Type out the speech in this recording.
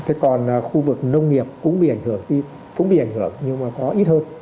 thế còn khu vực nông nghiệp cũng bị ảnh hưởng cũng bị ảnh hưởng nhưng mà có ít hơn